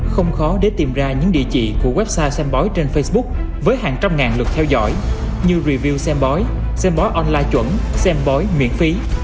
không khó để tìm ra những địa chỉ của website xem bói trên facebook với hàng trăm ngàn lượt theo dõi như review xem bói xem bói online chuẩn xem bói miễn phí